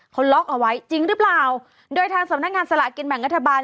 เขาล็อกเอาไว้จริงหรือเปล่าโดยทางสำนักงานสละกินแบ่งรัฐบาล